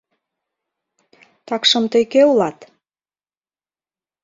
— Такшым тый кӧ улат?